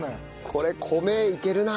これ米いけるな。